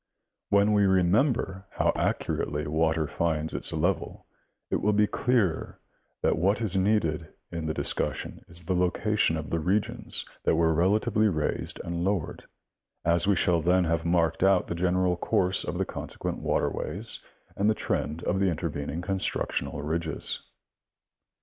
When we remember how accurately water finds its level, it will be clearer that what is needed in the discussion is the location of the regions that were relatively raised and lowered, as we shall then have marked out the general course of the consequent water ways and the trend of the intervening constructional ridges.